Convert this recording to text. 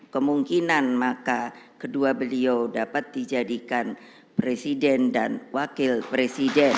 kemungkinan maka kedua beliau dapat dijadikan presiden dan wakil presiden